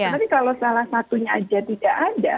tapi kalau salah satunya aja tidak ada